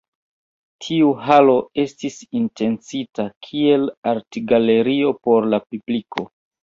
Tiu Halo estis intencita kiel artgalerio por la publiko.